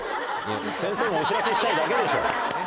先生もお知らせしたいだけでしょ。